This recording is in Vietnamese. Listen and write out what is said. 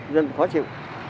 dân khó chịu